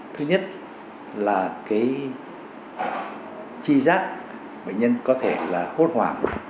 thứ nhất là chi giác bệnh nhân có thể hốt hoảng